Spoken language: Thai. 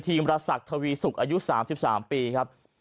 ทีมระศักดิ์ทวีศุกร์อายุ๓๓ปีครับ